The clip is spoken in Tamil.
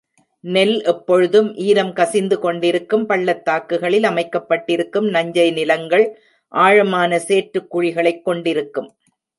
நெல் எப்பொழுதும் ஈரம் கசிந்து கொண்டிருக்கும் பள்ளத்தாக்குகளில் அமைக்கப்பட்டிருக்கும் நஞ்சை நிலங்கள் ஆழமான சேற்றுக் குழிகளைக் கொண்டிருக்கும்.